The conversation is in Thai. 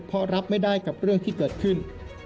เพราะรับไม่ได้กับเรื่องที่เกิดขึ้น